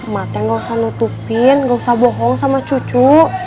matanya gak usah nutupin gak usah bohong sama cucu